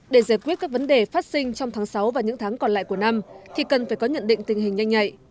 để giải quyết các vấn đề phát sinh trong tháng sáu và những tháng còn lại của năm thì cần phải có nhận định tình hình nhanh nhạy